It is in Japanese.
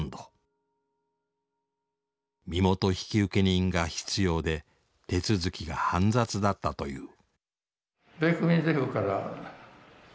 身元引受人が必要で手続きが煩雑だったという。